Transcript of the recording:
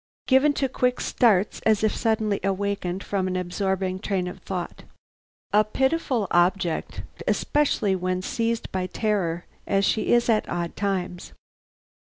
Given to quick starts as if suddenly awakened from an absorbing train of thought. A pitiful object, especially when seized by terror as she is at odd times.